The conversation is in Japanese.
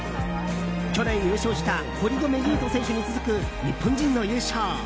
去年優勝した堀米雄斗選手に続く日本人の優勝。